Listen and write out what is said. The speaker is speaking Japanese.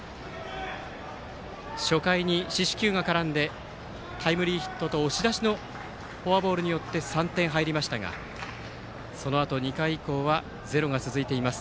初回に四死球が絡んでタイムリーヒットと押し出しのフォアボールによって３点入りましたがそのあと２回以降はゼロが続いています。